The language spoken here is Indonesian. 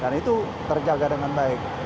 dan itu terjaga dengan baik